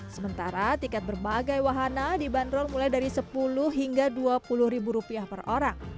sementara tiket berbagai wahana dibanderol mulai dari sepuluh hingga dua puluh ribu rupiah per orang